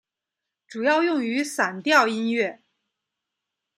主要用于散调音乐。